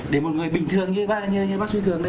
để một người bình thường như ba bác sĩ cường đây